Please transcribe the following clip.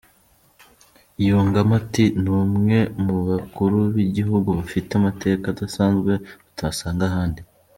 Yungamo ati :"Ni umwe mu bakuru b’igihugu bafite amateka adasanzwe utasanga ahandi.